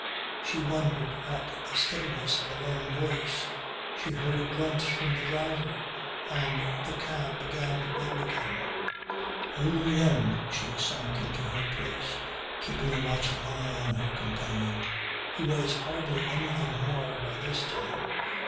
She wondered at the steadiness of her own voice. She heard a grunt from the driver and the cab began to roll again. Only then she sank into her place keeping a watchful eye on her companion. He was hardly anything more by this time.